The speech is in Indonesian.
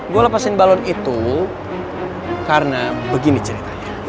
gue lepasin balon itu karena begini ceritanya